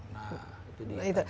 nah itu dia tadi